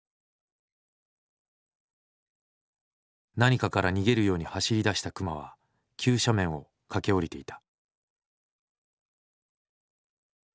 何かから逃げるように走り出した熊は急斜面を駆け下りていた。